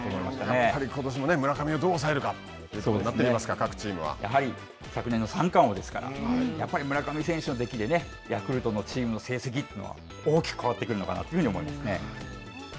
やっぱりことしも村上をどう抑えるかなってきますか、各チームやはり昨年の三冠王ですから、やっぱり村上選手のできでヤクルトのチームの成績というのは大きく変わってくるのかなというふうに思いますね。